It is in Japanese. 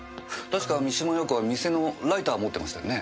確か三島陽子は店のライター持ってましたよね？